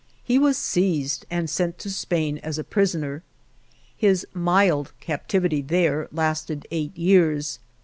He was seized and sent to Spain as a prisoner. His (mild) captivity there lasted eight years.